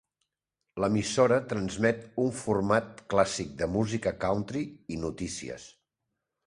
L'emissora transmet un format clàssic de música country i notícies.